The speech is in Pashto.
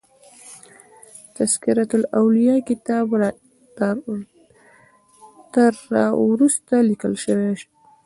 تذکرة الاولیاء کتاب تر را وروسته لیکل شوی.